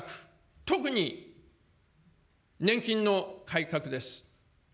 特に、年金の改革です。